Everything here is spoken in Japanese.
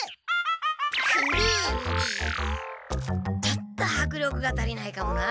ちょっとはくりょくがたりないかもな。